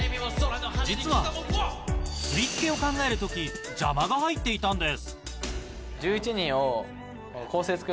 実は振り付けを考える時邪魔が入っていたんです